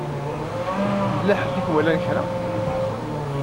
Yella ḥedd i iwalan kra?